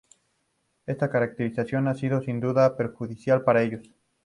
Esta caracterización ha sido sin duda perjudicial para ellos.